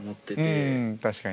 うん確かに。